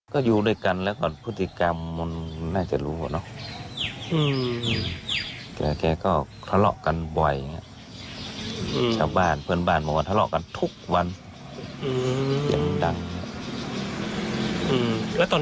น้องว่าก่อนหน้านี้ก่อนที่เรื่องจะแท้ง